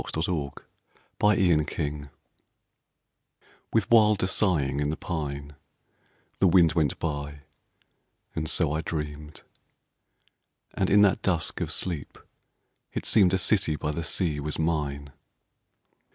6 9 • TO INA COOLBRITH With wilder sighing in the pine The wind went by, and so I dreamed ; And in that dusk of sleep it seemed A city by the sea was mine.